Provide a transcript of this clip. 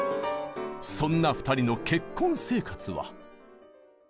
そんな２人の結婚生活は。